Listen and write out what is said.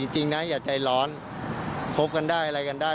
จริงนะอย่าใจร้อนคบกันได้อะไรกันได้